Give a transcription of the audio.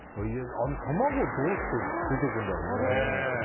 卵、どうして出てくるんだろうね。